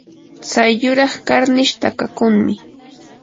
tsay yuraq karnish takakunmi.